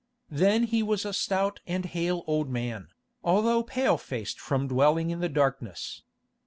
Then he was a stout and hale old man, although pale faced from dwelling in the darkness.